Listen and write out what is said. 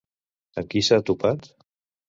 Amb qui s'ha topat?